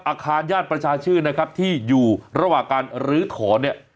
อาคารย่านประชาชื่นนะครับที่อยู่ระหว่างการลื้อถอนเนี่ย